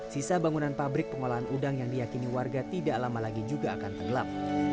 sisa bangunan pabrik pengolahan udang yang diyakini warga tidak lama lagi juga akan tenggelam